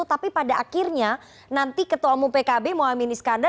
tapi pada akhirnya nanti ketua mu pkb muhaimin iskandar